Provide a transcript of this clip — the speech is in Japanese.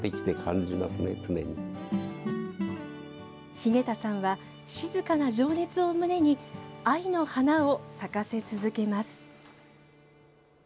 日下田さんは静かな情熱を胸に藍の華を咲かせ続けます。